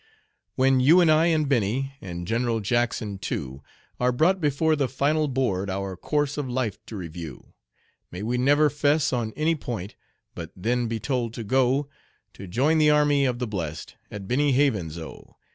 When you and I and Benny, and General Jackson too, Are brought before the final Board our course of life t' review, May we never "fess" on any point, but then be told to go To join the army of the blest at Benny Havens' O.